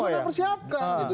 sudah sudah dipersiapkan gitu